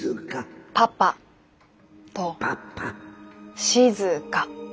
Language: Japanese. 「パパ」と「静」。